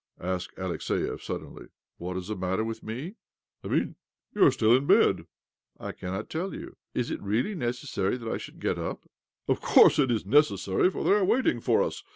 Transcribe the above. asked Alexiev suddenly. " What is the matter with me? "" I mean, why are you still in bed ?"" I cannot tell you. Is it really necessary that I should get up ?"" Of course it is necessary, for they are waiting for us.